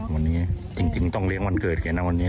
วันนี้จริงต้องเลี้ยงวันเกิดแกนะวันนี้